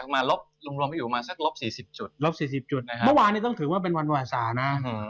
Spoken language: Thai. เมื่อวานนี้ต้องถือว่าเป็นวันหวัษานะ